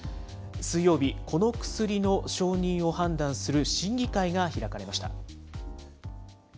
水曜日、この薬の承認を判断する審議会が開かれました。